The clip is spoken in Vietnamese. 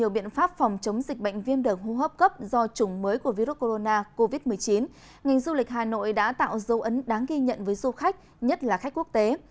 đã tạo dấu ấn đáng ghi nhận với du khách nhất là khách quốc tế